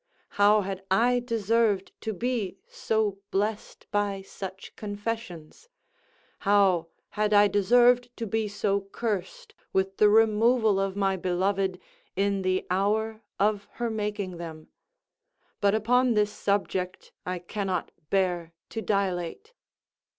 How had I deserved to be so blessed by such confessions?—how had I deserved to be so cursed with the removal of my beloved in the hour of her making them? But upon this subject I cannot bear to dilate.